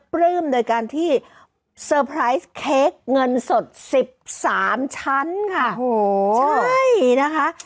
เปลื้มโดยการที่เคคเงินสดสิบสามชั้นค่ะโหใช่นะคะ